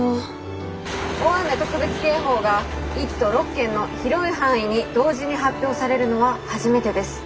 「大雨特別警報が１都６県の広い範囲に同時に発表されるのは初めてです。